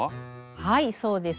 はいそうです。